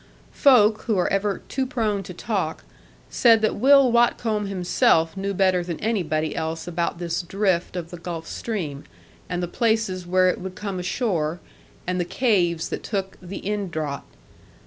Folk, who are ever too prone to talk, said that Will Watcombe himself knew better than anybody else about this drift of the Gulf stream, and the places where it would come ashore, and the caves that took the in draught.